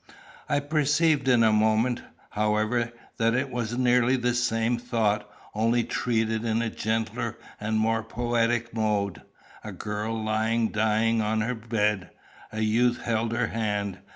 I perceived in a moment, however, that it was nearly the same thought, only treated in a gentler and more poetic mode. A girl lay dying on her bed. A youth held her hand.